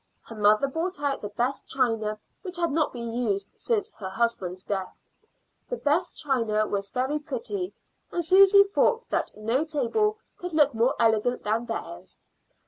Her mother brought out the best china, which had not been used since her husband's death. The best china was very pretty, and Susy thought that no table could look more elegant than theirs.